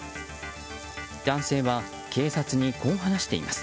男性は警察にこう話しています。